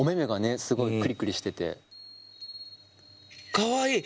かわいい。